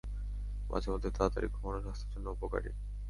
মাঝেমধ্যে তাড়াতাড়ি ঘুমানো স্বাস্থ্যের জন্য উপকারী।